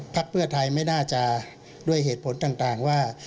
เพื่อไทยไม่น่าจะด้วยเหตุผลต่างว่า